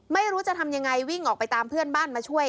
ไม่รู้จะทำยังไงวิ่งออกไปตามเพื่อนบ้านมาช่วย